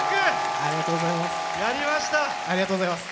ありがとうございます。